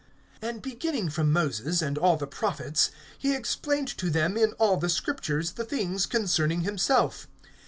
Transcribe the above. (27)And beginning from Moses, and all the prophets, he explained to them in all the Scriptures the things concerning himself.